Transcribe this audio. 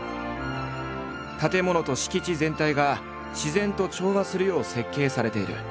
建物と敷地全体が自然と調和するよう設計されている。